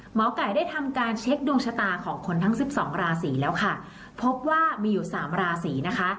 หมอไก่ได้ทำการเช็คดวงชะตาของคนทั้งสิบสองราศีแล้วค่ะพบว่ามีอยู่สามราศีนะคะ